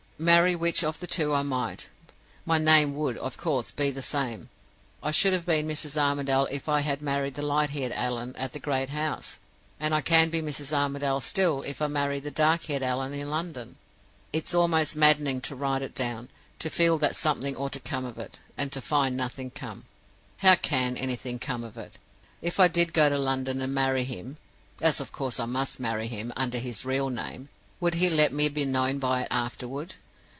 Marry which of the two I might, my name would, of course, be the same. I should have been Mrs. Armadale, if I had married the light haired Allan at the great house. And I can be Mrs. Armadale still, if I marry the dark haired Allan in London. It's almost maddening to write it down to feel that something ought to come of it and to find nothing come. "How can anything come of it? If I did go to London, and marry him (as of course I must marry him) under his real name, would he let me be known by it afterward?